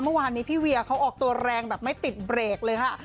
เมื่อวานนี้พี่เวียเขาออกตัวแรงแบบไม่ติดเบรกเลยค่ะ